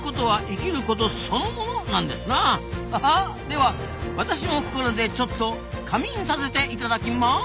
では私もここらでちょっと「夏眠」させていただきます！